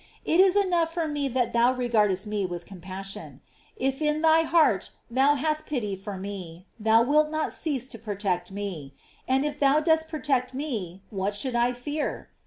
It is enough for me that thou regardest me with compassion). If in thy heart thou hast pity for me, thou wilt not cease to protect me; and if thou dost protect me, what should I fear?